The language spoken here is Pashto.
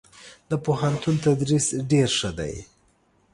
دپوهنتون تدريس ډير ښه دی.